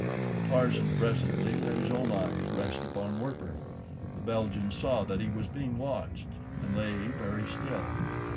Tarzan presently let his own eyes rest upon Werper. The Belgian saw that he was being watched, and lay very still.